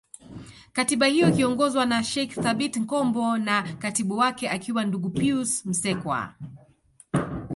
Katiba hiyo ikiongozwa na Sheikh Thabit Kombo na Katibu wake akiwa Ndugu Pius Msekwa